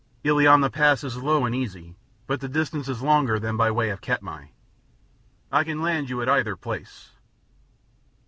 Illiamna Pass is low and easy, but the distance is longer than by way of Katmai. I can land you at either place."